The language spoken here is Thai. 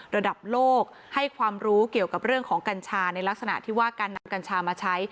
ระดับโลกให้ความรู้เกี่ยวกับเรื่องของกัญชาในลักษณะที่ว่าการนำกัญชามาใช้